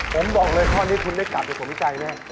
ผมบอกเลยข้อนี้คุณได้กลับไปสมใจแน่